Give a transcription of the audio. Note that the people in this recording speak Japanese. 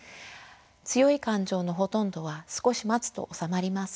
強い感情のほとんどは少し待つと治まります。